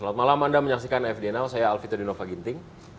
selamat malam anda menyaksikan afd now saya alvito dinova ginting